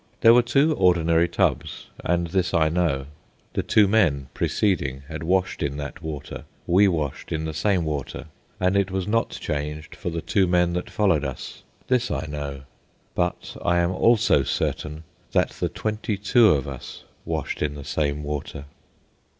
There were two ordinary tubs, and this I know: the two men preceding had washed in that water, we washed in the same water, and it was not changed for the two men that followed us. This I know; but I am also certain that the twenty two of us washed in the same water.